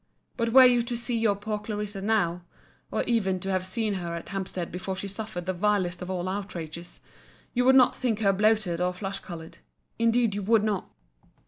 But were you to see your poor Clarissa, now (or even to have seen her at Hampstead before she suffered the vilest of all outrages,) you would not think her bloated or flush coloured: indeed you would not.